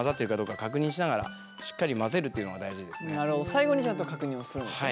最後にちゃんと確認をするんですね。